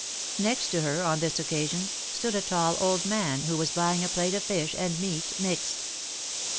Next to her, on this occasion, stood a tall old man, who was buying a plate of fish and meat mixed.